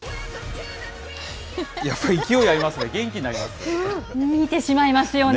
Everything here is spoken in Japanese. やっぱり勢いありますね、元気になりますね。